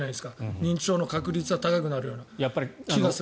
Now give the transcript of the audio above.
認知症の確率が高くなる気がする。